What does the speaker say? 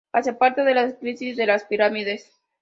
Hace parte de la Crisis de las Pirámides.